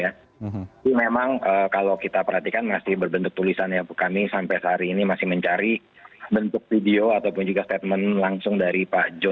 tapi memang kalau kita perhatikan masih berbentuk tulisannya kami sampai saat ini masih mencari bentuk video ataupun juga statement langsung dari pak joni